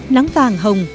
nắng vàng hồng